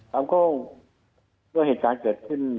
สำคงเถอะเหตุการณ์เกิดขึ้น